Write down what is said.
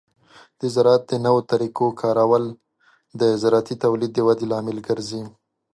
د زراعت د نوو طریقو کارول د زراعتي تولید د ودې لامل ګرځي.